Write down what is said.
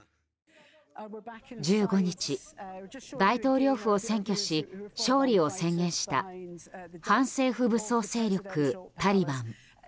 １５日、大統領府を占拠し勝利を宣言した反政府武装勢力、タリバン。